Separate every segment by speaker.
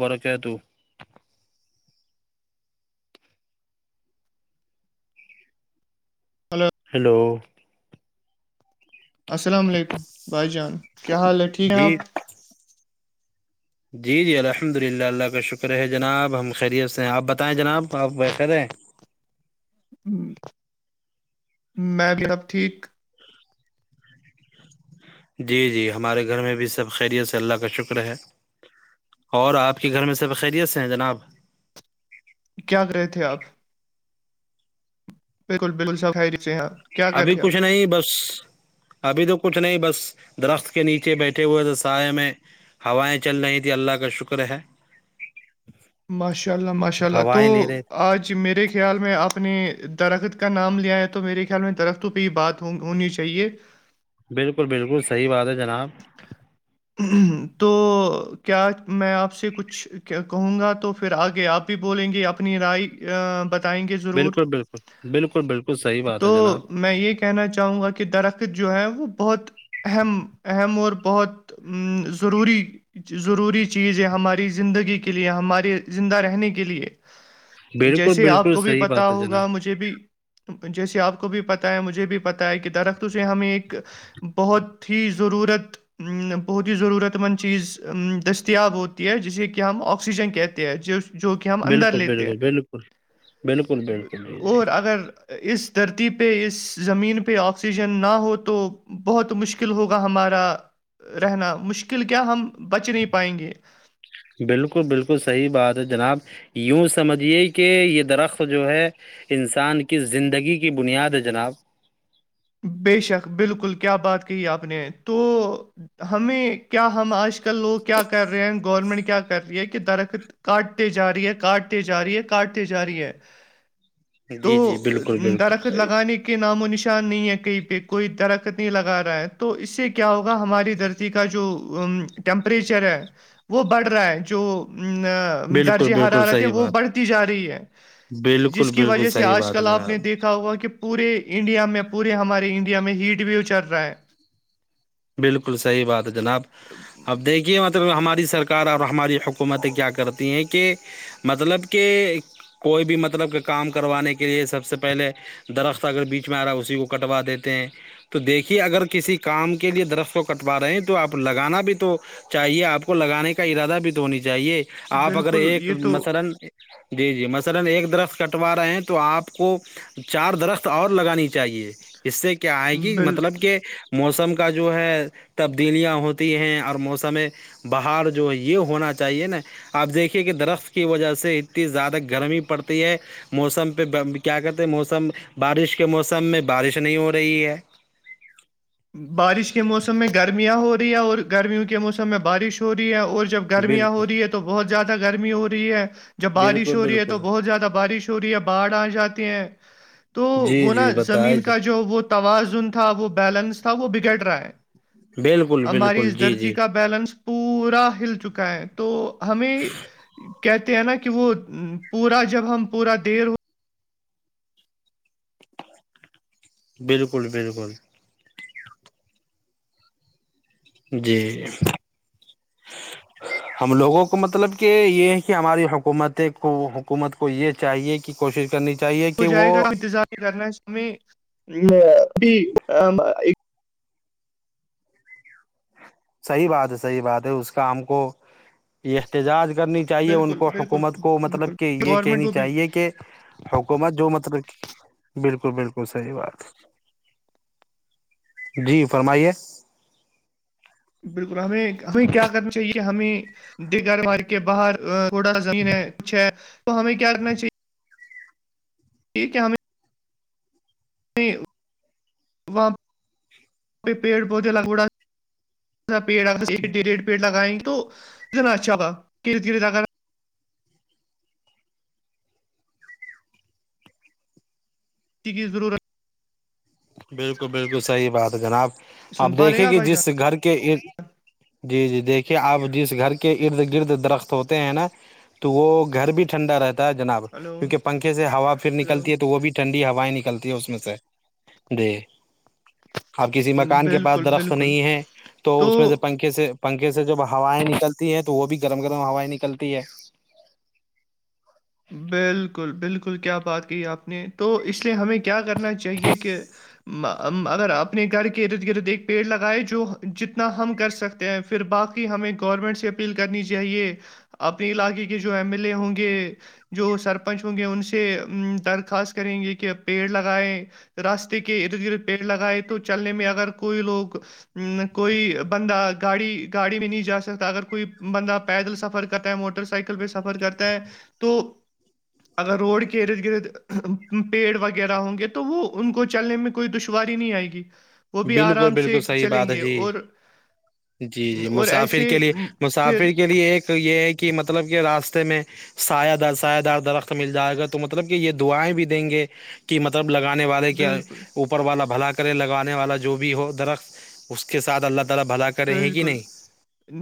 Speaker 1: لبارہ کیا ہے تو
Speaker 2: ہیلو
Speaker 1: ہیلو
Speaker 2: السلام علیکم بھائی جان کیا حال ہے ٹھیک ہے
Speaker 1: جی
Speaker 2: آپ
Speaker 1: جی جی الحمد للہ اللہ کا شکر ہے جناب ہم خیریت سے ہیں آپ بتائیں جناب آپ خیر ہیں
Speaker 2: میں بھی سب ٹھیک
Speaker 1: جی جی ہمارے گھر میں بھی سب خیریت سے اللہ کا شکر ہے اور آپ کے گھر میں سب خیریتس ہیں جناب
Speaker 2: کیا کر رہے تھے آپ بالکل بالکل سیے ہاں
Speaker 1: ابھی کچھ نہیں بس ابھی تو کچھ نہیں بس درخت کے نیچے بیٹھے ہوئے تھ سائے میں ہوائیں چل رہی تھی اللہ کا شکر ہے
Speaker 2: ماشاء اللہ ماشاء اللہ تو
Speaker 1: ہوائیں لے رہے تھے
Speaker 2: آج میرے خیال میں آپ نے درخت کا نام لیا ہے تو میرے خیال میں درختوں پہ ہی بات ہونی چاہیے
Speaker 1: بالکل بالکل صحیح بات ہے جناب
Speaker 2: تو کیا میں آپ سے کچھ کہوں گا تو پھر آگے آپ بھی بولیں گے اپنی رائے بت آئیں گے ضرور
Speaker 1: بالکل بالکل بالکل بالکل صحیح بات
Speaker 2: تو
Speaker 1: ہے جناب
Speaker 2: میں یہ کیا کہنا چاہوں گا کہ درخت جو ہے وہ بہت اہم اہم اور بہت تو ضروری ضروری چیز ہے ہماری زندگی کے لیے ہمارے زندہ رہنے کے لیے
Speaker 1: بالکل
Speaker 2: جیسے آپ
Speaker 1: بالکل
Speaker 2: کو بھی
Speaker 1: صحیح
Speaker 2: پتا
Speaker 1: بات ہے
Speaker 2: ہوگا
Speaker 1: جناب
Speaker 2: مجھے بھی جیسے آپ کو بھی پتا ہے مجھے بھی پت ہے کہ درخت سے ہمیں ایک بہت ہی ضرورت بہت ہی ضرورت مند چیز دستیاب ہوتی ہے جسے کہ ہم آکسیجن کہتے ہیں جو کہ ہم اندر
Speaker 1: بالکل
Speaker 2: لیتے ہیں
Speaker 1: بالکل بالکل بالکل بالکل جی
Speaker 2: اور اگر اس دھرتی پہ اس زمین پہ آکسیجن نہ ہو تو بہت مشکل ہوگا ہمارا رہنا مشکل کیا ہم بچ نہیں پائیں گے
Speaker 1: بالکل بالکل صحیح بات ہے جناب یوں سمجھیے کہ یہ درخت جو ہے انسان کی زندگی کی بنیاد جناب
Speaker 2: بے شک بالکل کیا بات کہی آپ نے تو ہمیں کیا ہم آج لوگ کیا کر رہے ہیں گورنمنٹ کیا کر رہی ہے کہ درخت کاٹتے رہی ہے کاٹتے رہی ہے کاٹتے جا رہی ہے تو
Speaker 1: جی جی بالکل بالکل
Speaker 2: درخت
Speaker 1: صحیح
Speaker 2: لگانے کے کے نام و نشان نہیں ہے کہیں پہ کوئی درخت نہیں لگا رہا ہے تو اس سے کیا کیا ہوگا ہماری دھرتی کا جو ٹیمپریچر ہے وہ بڑھ رہا ہے جو
Speaker 1: بالکل
Speaker 2: درجے
Speaker 1: بالکل
Speaker 2: حرارت ہیں
Speaker 1: صحیح
Speaker 2: وہ
Speaker 1: بات
Speaker 2: بڑھتی جا رہی ہے
Speaker 1: بالکل
Speaker 2: جس کی
Speaker 1: بالکل
Speaker 2: وجہ سے
Speaker 1: صحیح
Speaker 2: آج
Speaker 1: بات
Speaker 2: کل
Speaker 1: ہے
Speaker 2: آپ نے
Speaker 1: جناب
Speaker 2: دیکھا ہوگا‌ کہ پورے انڈیا میں پورے ہمارے انڈیا میں ہیٹ ویو چل رہا ہے
Speaker 1: بالکل صحیح بات ہے جناب اب دیکھیے ہماری سرکار اور ہماری حکومتیں کیا کرتی ہیں کہ مطلب کہ کوئی بھی مطلب کہ کام کروانے کے لیے سب سے پہلے درخت اگر بیچ میں آ رہا ہے اسی کو کٹوا دیتے ہیں تو دیکھیے اگر کسی کام کو کے لیے درخ کو کٹوا رہے ہیں تو آپ لگانا بھی تو چاہیے آپ کو لگانے کا ارادہ بھی تو ہونی چاہیے آپ اگر
Speaker 2: بالکل
Speaker 1: ایک
Speaker 2: یہ تو
Speaker 1: مثلان جی جی مثلان ایک درخت کٹوا رہے ہیں تو آپ کو چار درخت اور لگانی چاہیے اس سے کیا آئے گ
Speaker 2: بال
Speaker 1: مطلب کہ موسم کا کا جو ہے تبدیلیاں ہوتی ہیں اور موسم باہر جو یہ ہونا چاہیے نا آپ دیکھیے کہ درخت کی وجہ سے اتنی زیادہ گرمی پڑتی ہے موسم پہ کیا کہتے ہیں موسم بارش کے موسم میں بارش نہیں ہو رہی ہے
Speaker 2: بارش کے موسم میں گرمیاں ہو رہی ہے اور گرمیوں کے موسم میں بارش ہو رہی ہے اور جب گرمیاں ہو
Speaker 1: بالکل
Speaker 2: رہی ہے تو بہت زیادہ گرمی ہو رہی ہے جب بارش
Speaker 1: بالکل
Speaker 2: ہو رہی ہے تو
Speaker 1: بالکل
Speaker 2: بہت زیادہ بارش ہو رہی ہے باڑھ آ جاتی ہیں تو
Speaker 1: جی
Speaker 2: وہ نا
Speaker 1: جی بتائے
Speaker 2: زمین کا جو وہ تواز جون تھا وہ بیلنس تھا وہ بگڑ رہا ہے
Speaker 1: بالکل
Speaker 2: ہماری
Speaker 1: بالکل
Speaker 2: اس
Speaker 1: جی
Speaker 2: دھرتی
Speaker 1: جی
Speaker 2: کا بیلنس پورا ہل چکا ہے تو ہمیں کہتے ہیں نا کہ وہ پورا جب ہم پورا دیر ہو
Speaker 1: بالکل بالکل جی
Speaker 2: ج
Speaker 1: ہم لوگوں کو مطلب کہ یہ ہے کہ ہماری حکومت کو حکومت کو یہ چاہیے کہ کوشش کرنی چاہیے
Speaker 2: ہو
Speaker 1: کہ وہ
Speaker 2: جائے گا انتظار کرنا ہم بھی
Speaker 1: صحیح بات ہے صحیح بات ہے اس کا ہم کو احتجاج کرنی چاہیے ان
Speaker 2: بالکل
Speaker 1: کو
Speaker 2: بالکل
Speaker 1: حکومت کو مطلب
Speaker 2: بالکل
Speaker 1: کہ یہ
Speaker 2: گورنمنٹ
Speaker 1: کہنی
Speaker 2: کو بھی
Speaker 1: چاہیے کہ حکومت جو مطلب بالکل بالکل صحی بات جی فرمائیے
Speaker 2: بالکل ہمیں ہمیں کیا کرنا چاہیے ہمیں دیگر کے باہر تھوڑا زمین ہے اچھ ہے تو ہمیں کیا کرنا چاہیے ٹھیک ہے ہمیں میں وہاں پیڑ پودے لگوڑا پڑ ڈ ڈڑ پیڑ لگائیں گے تو اتنا اچھا ہوا دھیرے دھیرے لگ رہا کی ضرورت
Speaker 1: بالکل بالکل صحیح بات ہے جناب آپ
Speaker 2: سن پا رہے ہیں
Speaker 1: دیکھے کہ
Speaker 2: بھائی جان
Speaker 1: جس گھر کے جی جی دیکھیے آپ جس گھر کے ارد گرد درخت ہوتے ہیں نا تو وہ گھر بھی ٹھنڈا رہتا ہے جناب
Speaker 2: ہلو
Speaker 1: کیونکہ پنکھے سے ہوا پھر
Speaker 2: ہلو
Speaker 1: نکلتی ہے تو وہ بھی ٹھنڈی ہوائیں نکلتی ہے اس میں سے دے اب کسی مکان کے پاس
Speaker 2: بالکل
Speaker 1: درخت
Speaker 2: بالکل
Speaker 1: نہیں ہے تو اس میں سے پنک پنکھے سے پنکھے سے جب ہوائیں نکلتی ہے تو وہ بھی گرم گرم ہوائیں نکلتی ہے
Speaker 2: بالکل بالکل کیا بات کہ آپ نے تو اس لیے ہمیں کیا کرنا چاہیے کہ اگر اپنے گھر کے ارد گرد ایک پیڑ لگائے جو جتنا ہم کر سکتے پھر باقی ہمیں گورمنٹ سے اپیل کرنی چاہیے اپنے علاقے کے جو ایم ایل اے ہوں گے جو سرپنچ ہوں گے ان سے درخواست کریں گے کہ پیڑ لگائیں راستے کے ارد گرد پیڑ لگائے تو چلنے میں اگر کوئی لوگ کوئی بندہ گاڑی گاڑی میں نہیں جا سکتا اگر کوئی بندہ پیدل سفر کر تا ہے موٹر سائیکل پہ سفر کرتا ہے تو اگر روڈ کے ارد گرد پیڑ وغیرہ ہوں گے تو وہ ان کو چلنے میں کوئی دشواری نہیں آئے گی وہ بھی
Speaker 1: بالکل
Speaker 2: آرام سے
Speaker 1: بالکل صحیح
Speaker 2: چلیں
Speaker 1: بات ہے
Speaker 2: گے
Speaker 1: جی
Speaker 2: اور
Speaker 1: جی جی
Speaker 2: اور
Speaker 1: مسافر
Speaker 2: ایسے
Speaker 1: کے لیے
Speaker 2: پھر
Speaker 1: مسافر کے لیے ایک تو یہ ہے کہ مطلب کہ راستے میں سایہ در سایہ دار درخت مل جائے گا تو مطلب کہ یہ دعائیں بھی دیں گے مطلب لگانے والے کے
Speaker 2: بالکل
Speaker 1: اوپر والا بھلا کرے لگا ے والا جو بھی ہو درخت اس کے ساتھ اللہ تعالی بھلا کرے گی
Speaker 2: بالکل
Speaker 1: نہیں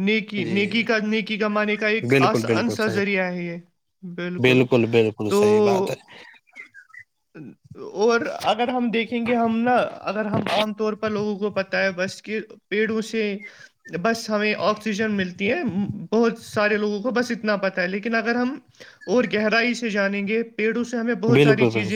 Speaker 2: نیکی
Speaker 1: جی
Speaker 2: نیکی کا نیکی گمانے کا ایک
Speaker 1: بالکل
Speaker 2: آسان
Speaker 1: بالکل
Speaker 2: سا
Speaker 1: صحیح
Speaker 2: ذریعہ ہے یہ بالکل
Speaker 1: بالکل
Speaker 2: تو
Speaker 1: صحیح بات ہے
Speaker 2: اور اگر ہم دیکھیں گے ہم نا اگر ہم عام طور پر لوگوں کو پتا ہے بس کے پیڑوں سے بس ہمیں آکسیجن ملتی ہے بہت سارے لوگوں کو بس اتنا پتاہ ہے لیکن اگر ہم اور گہرائی سے جانیں گے پیڑوں سے ہمیں بہت ساری چیز
Speaker 1: بالکل بالکل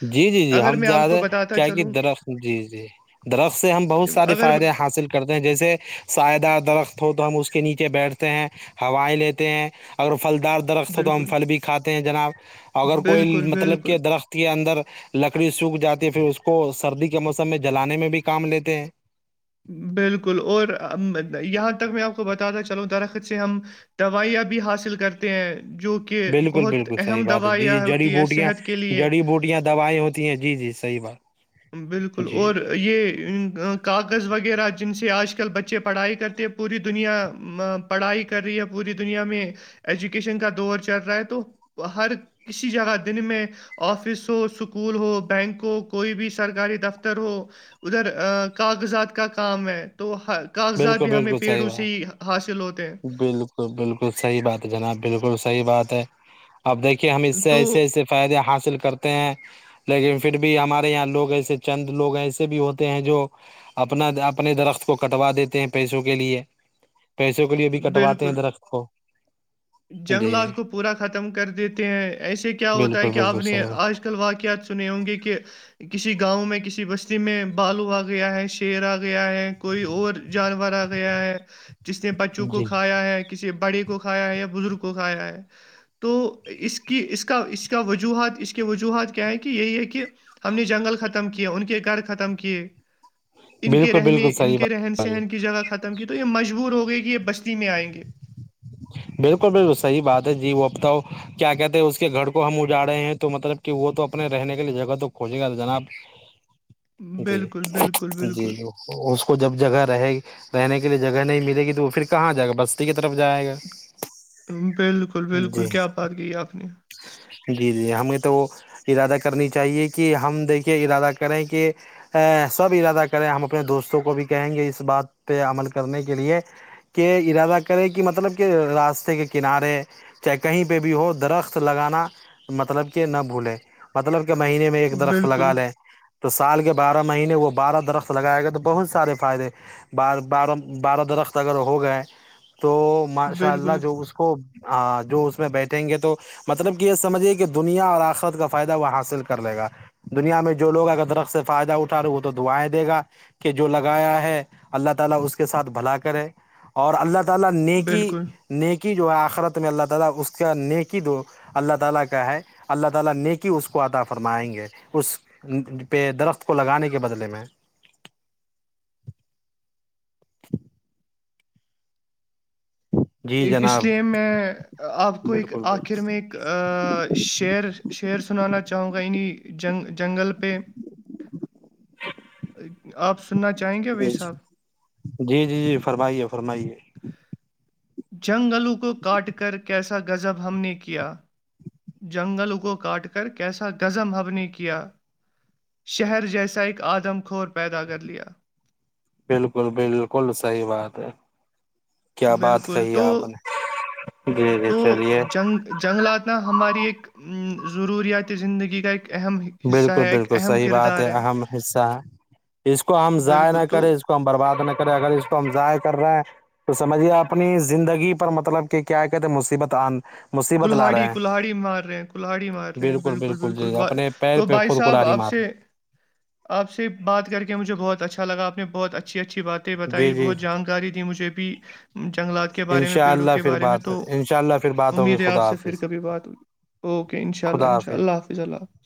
Speaker 1: جی جی جی
Speaker 2: اگر
Speaker 1: ہم
Speaker 2: میں
Speaker 1: ج
Speaker 2: آپ کو
Speaker 1: رہے
Speaker 2: بتاتا
Speaker 1: کیا کہ
Speaker 2: چلوں
Speaker 1: درخت جی جی درخت سے ہم بہت ساری
Speaker 2: اگر
Speaker 1: فائدے ہیں حاصل کرتے ہیں جیسے سائیدہ درخت ہو تو ہم اس کے نیچے بیٹھتے ہیں ہوائیں لیتے ہیں اگر پھلدار درخت ہو تو ہم
Speaker 2: بالکل
Speaker 1: پھل بھی کھاتے ہیں جناب اگر کوئی
Speaker 2: بالکل
Speaker 1: مطلب
Speaker 2: بالکل
Speaker 1: کہ درخت کے اندر لکڑی سوکھ جاتی ہے پھر اس کو سردی کے موسم میں جلانے میں بھی کام لیتے ہیں
Speaker 2: بالکل اور یہاں تک میں آپ کو بتا چلوں درخت سے ہم دوائیاں بھی حاصل کرتے ہیں جو کہ
Speaker 1: بالکل
Speaker 2: بہت
Speaker 1: بالکل صحی
Speaker 2: اہم
Speaker 1: بات ہے
Speaker 2: دوائیاں
Speaker 1: جیی جڑی
Speaker 2: ہوتی ہے
Speaker 1: بوٹیاں
Speaker 2: صحت کے لیے
Speaker 1: جڑی بوٹیاں دوائیں ہوتی ہیں جی جی صحی بات
Speaker 2: بالکل
Speaker 1: جی
Speaker 2: اور
Speaker 1: جی
Speaker 2: یہ کاغذ وغیرہ جن سے آج کل بچے پڑھائی کرتے پوری دنیا پڑھائی کر رہی ہے پوری دنیا میں ایجوکیشن کا دور چل رہا ہے تو ہر کسی جگہ دن میں آفس ہو اسکول ہو بینک ہو کوئی بھی س سرکاری دفتر ہو ادھر کاغذات کا کام ہے تو کاغذات
Speaker 1: بالکل
Speaker 2: بھی ہمیں
Speaker 1: بالکل
Speaker 2: پیڑوں سے ہی حاصل ہوتے ہیں
Speaker 1: بک بالکل صحی بات ہے جناب بالکل صحی بات ہے اب دیکھیے ہم اس سے
Speaker 2: تو
Speaker 1: ایسے ایسے قائدے حاصل کرتے ہیں لیکن پھر بھی ہمارے یہاں لوگ ایسے چند لوگ ایسے بھی ہوتے ہیں جو اپنا اپنے درخت کو کٹوا دیتے ہیں پیسوں کے لیے پیسوں کے لیے بھی کٹواتے ہیں
Speaker 2: بالکل
Speaker 1: درخت کو جی
Speaker 2: جنگلات کو پورا ختم کر دیتے ہیں ایسے کیا ہوتا ہے
Speaker 1: بالکل
Speaker 2: کہ آپ
Speaker 1: بالکل
Speaker 2: نے
Speaker 1: صحیح
Speaker 2: آج واقعات سنے ہوں گے کہ کسی گاؤں میں کسی بستی میں بالو آ گیا ہے شیر آ گیا ہے کوئی اور جانور آ گیا ہے جس نے بچوں
Speaker 1: بات
Speaker 2: کو
Speaker 1: جی
Speaker 2: کھایا ہے کسی بڑے کو کھایا ہے بزرگوں کا آیا ہے تو اس کی اس کا اس کا وجوہات اس کے وجوہات کیا ہیں کہ یہی ہے کہ ہم نے جنگل ختم کیے ان کے گھر ختم کیے ان کے
Speaker 1: بالکل
Speaker 2: رہنے
Speaker 1: بالکل
Speaker 2: ان
Speaker 1: صحیح
Speaker 2: کے رہن
Speaker 1: بات
Speaker 2: سہن کی جگہ ختم کی تو یہ مجبور ہو گئی کہ یہ بستی میں آئیں گے
Speaker 1: بالکل بالکل صحیح بات ہے جی وہ بتاؤ کیا کہتے ہیں اس کے گھر کو ہم اجا رہے ہیں تو مطلب کہ وہ تو اپنے رہنے کے لیے جگہ تو کھجے گا جناب جی
Speaker 2: بالکل بالکل
Speaker 1: جی
Speaker 2: بالکل
Speaker 1: اس کو جب جگہ رہےی رہنے کے لیے جگہ نہیں ملے گی تو وہ پھر کہاں جائے گا بستی کی طرف جائے گا
Speaker 2: بالکل بالکل
Speaker 1: جی
Speaker 2: کیا بات گئی آخ نے
Speaker 1: جی جی ہمیں تو وہ ارادہ کرنی چاہیے کہ ہم دیکھیے ارادہ کریں کہ سب ارادہ کریں ہم اپنے دوستوں کو بھی کہیں گے اس بات پہ عمل کرنے کے لیے کہ ارادہ کرے کہ مطلب کہ راستے کے کنارے چاہے کہیں پہ بھی ہو درخت لگانا مطلب کہ نہ بھولیں مطلب کہ مہینے میں ایک درخت
Speaker 2: بالکل
Speaker 1: لگا لے تو سال کے بارہ مہینے وہ بارہ درخت لگائے گئے تو بہت سارے فائدے بارہ بارہ بارہ درخت اگر ہو گئے تو ماشاء اللہ
Speaker 2: بالکل
Speaker 1: جو اس کو جو اس میں بیٹھیں گے تو مطلب کہ یہ سمجھیے کہ دنیا اور آخرت کا فائدہ وہ حاصل کر لے گا دنیا میں جو لوگ اگر درخت سے فائدہ اٹھ رہے ہیں وہ تو دعائیں دے گا کہ جو لگایا ہے اللہ تعالی اس کے ساتھ بھلا کرے اور اللہ تعالی نیکی
Speaker 2: بالکل
Speaker 1: نیکی جو اخرت میں اللہ تعالی اس کا نیکی دو اللہ تعالی کا ہے اللہ تعالی نیکی اس کو عطا فرمائی ہے پہ درخت کو لگانے کے بدلے میں [inaudible] جی
Speaker 2: اس
Speaker 1: جناب
Speaker 2: لیے میں آپ کو ایک
Speaker 1: بالکل
Speaker 2: آخر
Speaker 1: بالکل
Speaker 2: میں ایک شعر شعر سنانا چاہوں گا انہیں جنگ جنگل پہ آپ سننا چاہیں گے وہی صاحب
Speaker 1: جی جی جی فرمائیے فرمائیے
Speaker 2: جنگلوں کو کاٹ کر کیسا غضب ہم نے کیا جنگل کو کاٹ کر کیسا غزم حب نے کیا شہر جیسا ایک آدم کور پیدا کر لیا
Speaker 1: بالکل بالکل سحی بات ہے کیا بات
Speaker 2: بالکل
Speaker 1: کہی
Speaker 2: تو
Speaker 1: آپ نے جی جی
Speaker 2: تو
Speaker 1: چلیے
Speaker 2: جنگ جنگلات ہماری ایک ضروریات زندگی کا ایک اہم حصہ
Speaker 1: بالکل
Speaker 2: ہے ایک
Speaker 1: بالکل
Speaker 2: اہم
Speaker 1: صحیح بات ہے
Speaker 2: کردار
Speaker 1: اہم حصہ ہے اس کو ہم ضائع
Speaker 2: بالکل
Speaker 1: نہ
Speaker 2: تو
Speaker 1: کریں ہم برباد نہیں کریںے اگر اس کو ہم ضائع کر رہے ہیں تو سمجھیے اپنی زندگی پر مطلب کہ کیا کہتے ہیں مصیبت آن مصیبت لا رہے
Speaker 2: کلہاڑی
Speaker 1: ہیں
Speaker 2: کلہڑی مار رہے ہیں کلہڑی مار رہے ہیں بالکل بالکل
Speaker 1: جی اپنے پیر
Speaker 2: تو
Speaker 1: پہ
Speaker 2: بھائی
Speaker 1: خود کو
Speaker 2: صاحب
Speaker 1: لاری
Speaker 2: آپ
Speaker 1: مار
Speaker 2: سے آپ سے بات کر کے مجھے بہت اچھا لگا آپ نے بہت اچھی اچھی بات
Speaker 1: رہے ہیں،
Speaker 2: بتائی
Speaker 1: جی جی
Speaker 2: بہت جانکاری دی مجھے بھی جنگلات کے بارے میں
Speaker 1: انشاء
Speaker 2: پیڑوں
Speaker 1: اللہ
Speaker 2: کے
Speaker 1: پھر
Speaker 2: بارے میں
Speaker 1: بات
Speaker 2: تو
Speaker 1: انشاء اللہ پھر بات ہوگی
Speaker 2: امید ہے آپ
Speaker 1: خدا
Speaker 2: سے پھر
Speaker 1: حافظ
Speaker 2: کبھی بات ہوئیی اوکے ان شاء اللہ انشاء اللہ حافظ اللہ ح